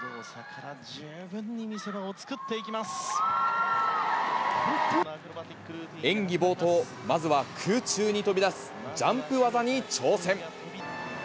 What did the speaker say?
十分に見せ場を作っていきま演技冒頭、まずは空中に飛び出すジャンプ技に挑戦。